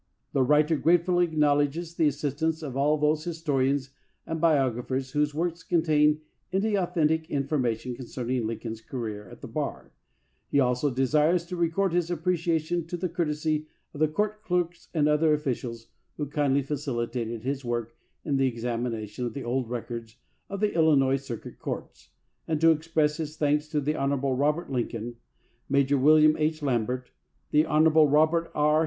The writer gratefully acknowledges the assist ance of all those historians and biographers whose works contain any authentic information concern ing Lincoln's career at the bar; he also desires to record his appreciation of the courtesy of the court clerks and other officials who kindly facili tated his work in the examination of the old records of the Illinois circuit courts, and to ex press his thanks to the Hon. Robert Lincoln, Major William H. Lambert, the Hon. Robert R.